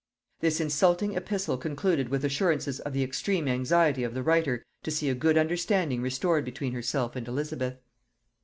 This insulting epistle concluded with assurances of the extreme anxiety of the writer to see a good understanding restored between herself and Elizabeth.